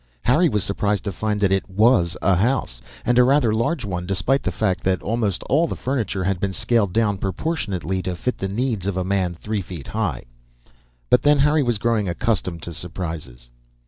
Harry was surprised to find that it was a house, and a rather large one, despite the fact that almost all the furniture had been scaled down proportionately to fit the needs of a man three feet high. But then, Harry was growing accustomed to surprises.